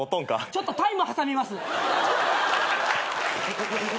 ちょっとタイム挟みます。